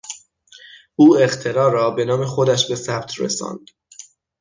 او اختراع را به نام خودش به ثبت رساند.